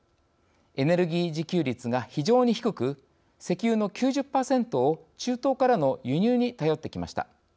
エネルギー自給率が非常に低く石油の９０％を中東からの輸入に頼ってきました。